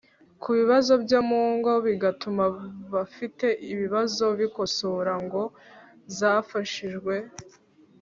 ku bibazo byo mu ngo bigatuma abafite ibibazo bikosora Ingo zafashijwe